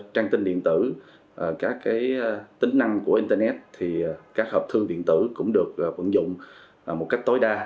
trang tin điện tử các tính năng của internet thì các hợp thương điện tử cũng được vận dụng một cách tối đa